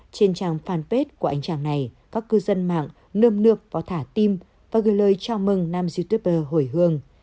trên trang fanpage của anh chàng này các cư dân mạng nươm nươp vào thả tim và gửi lời chào mừng nam youtuber hồi hương